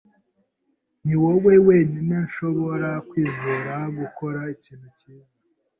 Niwowe wenyine nshobora kwizera gukora ikintu cyiza.